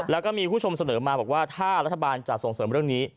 แล้วก็มีผู้ชมเสนอมาบอกว่าถ้ารัฐบาลจะส่งเสริมเรื่องนี้